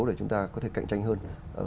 để chúng ta có thể cạnh tranh hơn